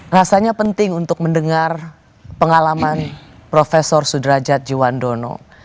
rasanya penting untuk mendengar pengalaman prof sudrajat jiwandono